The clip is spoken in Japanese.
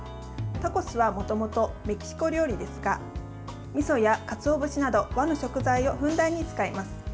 タコスはもともとメキシコ料理ですがみそや、かつおぶしなど和の食材をふんだんに使います。